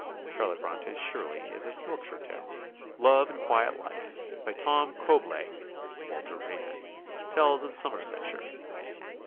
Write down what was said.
Charlotte Bronte's "Shirley" is a Yorkshire tale. "Love and Quiet Life," by Tom Cobleigh (Walter Raymond), tells of Somersetshire.